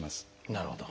なるほど。